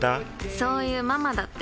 そういうママだって。